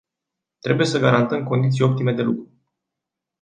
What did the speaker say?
Trebuie să garantăm condiții optime de lucru.